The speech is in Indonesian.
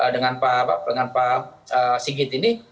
dengan pak sigit ini